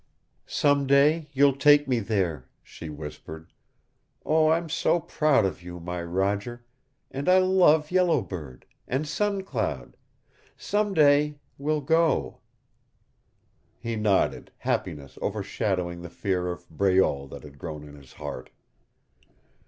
"Some day you'll take me there," she whispered. "Oh, I'm so proud of you, my Roger. And I love Yellow Bird. And Sun Cloud. Some day we'll go!" He nodded, happiness overshadowing the fear of Breault that had grown in his heart.